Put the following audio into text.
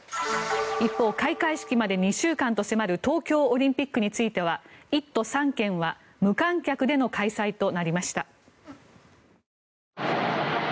一方、開会式まで２週間と迫る東京オリンピックについては１都３県は無観客での開催となりました。